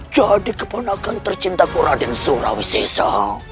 jadi keponakan tercintaku raden surawisesa